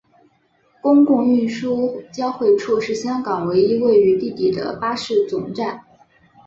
公共运输交汇处是香港唯一位于地底的巴士总站。